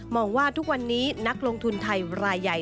ว่าทุกวันนี้นักลงทุนไทยรายใหญ่